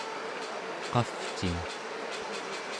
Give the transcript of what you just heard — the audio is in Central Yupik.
qavcin